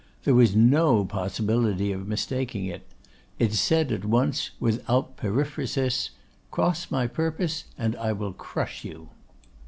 There was no possibility of mistaking it; it said at once, without periphrasis, 'Cross my purpose, and I will crush you!